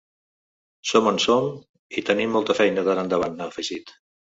Som on som i tenim molta feina d’ara endavant, ha afegit.